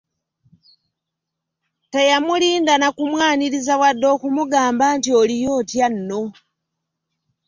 Teyamulinda na kumwaniriza, wadde okumugamba nti, “Oliyo otya nno?"